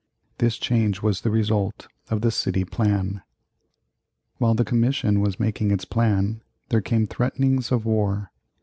This change was the result of the City Plan. While the commission was making its plan, there came threatenings of war.